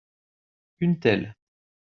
Une telle.